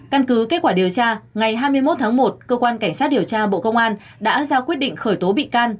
căn cứ kết quả điều tra ngày hai mươi một tháng một cơ quan cảnh sát điều tra bộ công an đã ra quyết định khởi tố bị can